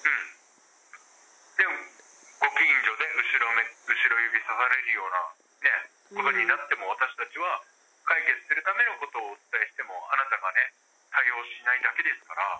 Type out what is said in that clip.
ご近所で後ろ指さされるようなことになっても、私たちは解決するためのことをお伝えしても、あなたがね、対応しないだけですから。